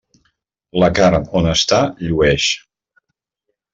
La carn, on està, llueix.